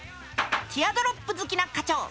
ティアドロップ好きな課長。